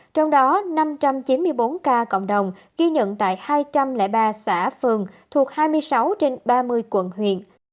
trong đó năm trăm chín mươi bốn ca cộng đồng ghi nhận tại hai trăm linh ba xã phường thuộc hai mươi sáu trên ba mươi quận huyện